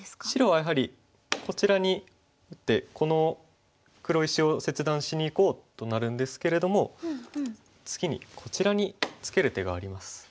白はやはりこちらに打ってこの黒石を切断しにいこうとなるんですけれども次にこちらにツケる手があります。